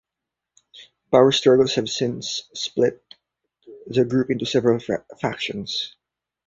Power struggles have since split the group into several factions.